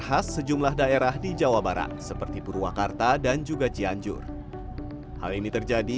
khas sejumlah daerah di jawa barat seperti purwakarta dan juga cianjur hal ini terjadi